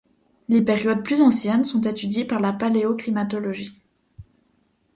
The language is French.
Les périodes plus anciennes sont étudiées par la paléoclimatologie.